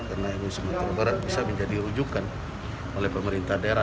karena mui sumatera barat bisa menjadi rujukan oleh pemerintah daerah